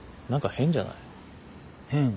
変？